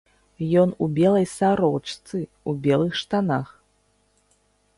Ён у белай сарочцы, у белых штанах.